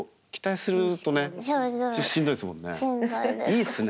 いいっすね。